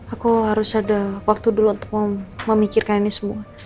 aku harus ada waktu dulu untuk memikirkan ini semua